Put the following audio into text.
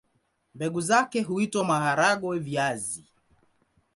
Mbegu zake huitwa maharagwe-viazi.